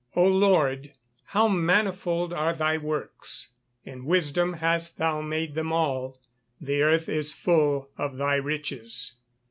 [Verse: "O Lord how manifold are thy works, in wisdom hast thou made them all: the earth is full of thy riches."